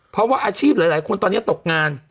เพราะว่าอาชีพหลายคนตอนนี้ตกงาน